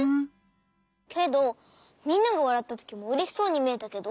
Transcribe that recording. けどみんながわらったときもうれしそうにみえたけど？